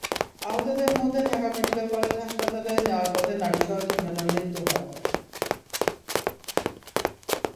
আহতদের মধ্যে Dhaka medical college হাসপাতালে নেওয়ার পথে নারীসহ তিনজনের মৃত্যু হয়।